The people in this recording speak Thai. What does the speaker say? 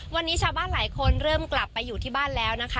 วันนี้ชาวบ้านหลายคนเริ่มกลับไปอยู่ที่บ้านแล้วนะคะ